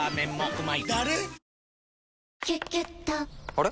あれ？